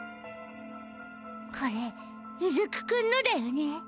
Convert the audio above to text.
これ出久くんのだよねぇ！？